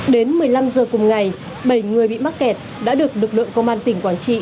đến một mươi năm giờ cùng ngày bảy người bị mắc kẹt đã được lực lượng công an tỉnh quảng trị